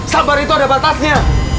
sabar itu ada batasnya